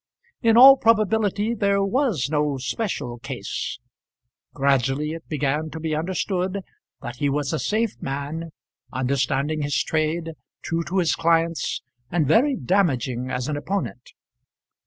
In all probability there was no special case. Gradually it began to be understood that he was a safe man, understanding his trade, true to his clients, and very damaging as an opponent.